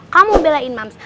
kamu belain mams